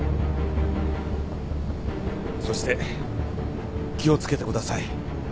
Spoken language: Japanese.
そして気を付けてください